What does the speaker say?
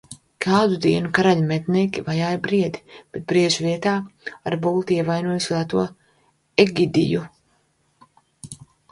Kādu dienu karaļa mednieki vajāja briedi, bet brieža vietā ar bultu ievainoja Svēto Egidiju.